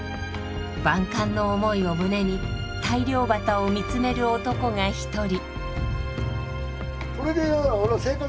万感の思いを胸に大漁旗を見つめる男が一人。